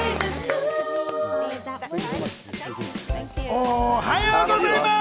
おはようございます！